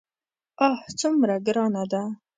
آه څومره ګرانه ده.